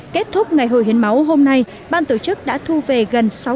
kết thúc ngày hội hiến máu hôm nay ban tổ chức đã thu về gần